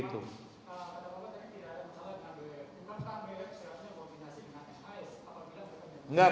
atau tidak ada masalah